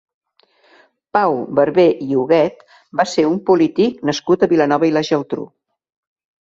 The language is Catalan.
Pau Barbé i Huguet va ser un polític nascut a Vilanova i la Geltrú.